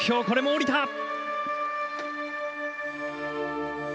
これも降りた！